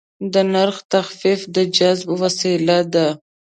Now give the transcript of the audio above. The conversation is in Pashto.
د نرخ تخفیف د جذب وسیله ده.